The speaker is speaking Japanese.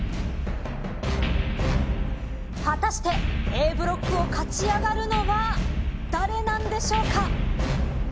果たしてＡブロックを勝ち上がるのは誰なんでしょうか。